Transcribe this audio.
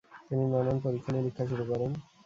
তিনি নানান পরীক্ষা-নিরিক্ষা শুরু করেন।